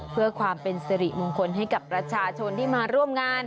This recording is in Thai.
เพื่อความเป็นสิริมงคลให้กับประชาชนที่มาร่วมงาน